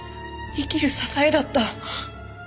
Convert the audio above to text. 生きる支えだった。